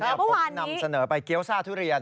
เมื่อวานผมนำเสนอไปเกี๊ยวซ่าทุเรียน